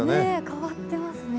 変わってますね。